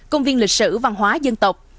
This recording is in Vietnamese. công viên lịch sử văn hóa dân tộc